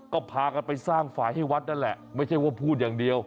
ก็พากันไปสร้างฝ่ายให้วัดนั่นแหละไม่ใช่ว่าพูดอย่างเดียว